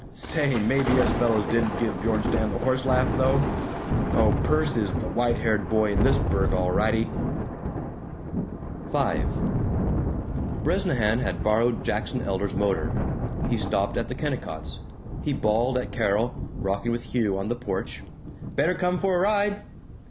Say, maybe us fellows didn't give Bjornstam the horse laugh though! Oh, Perce is the white haired boy in this burg, all rightee!" V Bresnahan had borrowed Jackson Elder's motor; he stopped at the Kennicotts'; he bawled at Carol, rocking with Hugh on the porch, "Better come for a ride."